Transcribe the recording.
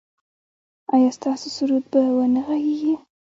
ایا ستاسو سرود به و نه غږیږي؟